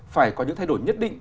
phải có những thay đổi nhất định